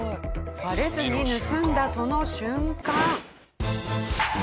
バレずに盗んだその瞬間。